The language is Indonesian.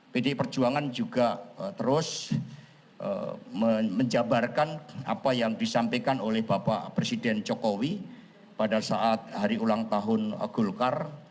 pdi perjuangan juga terus menjabarkan apa yang disampaikan oleh bapak presiden jokowi pada saat hari ulang tahun golkar